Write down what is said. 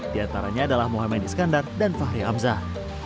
diantaranya adalah muhammad iskandar dan fahri hamzah